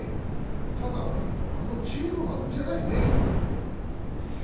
ただ、あのチームが打てないね。